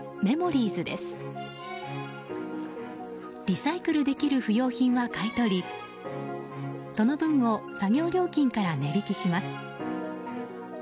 リサイクルできる不用品は買い取りその分を作業料金から値引きします。